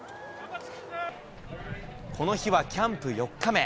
この日はキャンプ４日目。